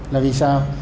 là vì sao